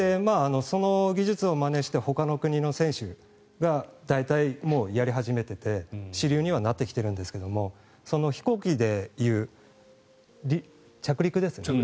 その技術をまねしてほかの国の選手が大体、もうやり始めていて主流にはなってきているんですけど飛行機でいう着陸ですよね。